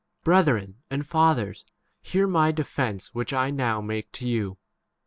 Brethren' and fathers, hear my defence which I now 2 make to you.